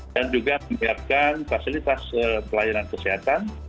dan juga membiarkan fasilitas pelayanan kesehatan